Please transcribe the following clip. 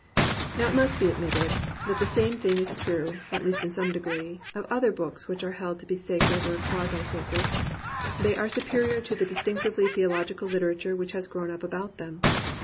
Now it must be admitted that the same thing is true, at least in some degree, of other books which are held to be sacred or quasi sacred : they are supe rior to the distinctively theological literature which has grown up about them.